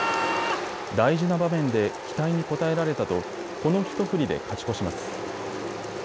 大事な場面で期待に応えられたとこの一振りで勝ち越します。